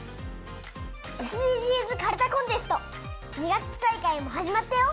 ＳＤＧｓかるたコンテスト２学期大会もはじまったよ。